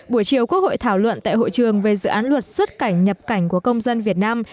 buổi chiều quốc hội thảo luận tại hội trường về dự án luật xuất cảnh nhập cảnh của công dân việt nam